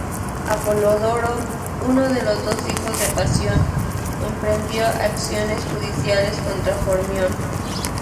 Apolodoro, uno de los dos hijos de Pasión, emprendió acciones judiciales contra Formión.